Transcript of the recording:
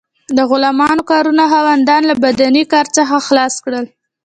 د غلامانو کارونو خاوندان له بدني کار څخه خلاص کړل.